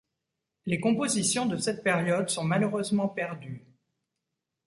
Les compositions de cette période sont malheureusement perdues.